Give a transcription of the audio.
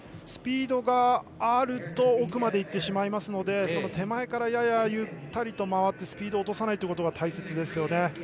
スピードがあると奥までいってしまいますのでその手前からややゆったりと回ってスピードを落とさないことが大切ですね。